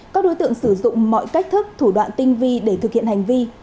các đối tượng sử dụng mọi cách thức thủ đoạn tinh vi để thực hiện hành vi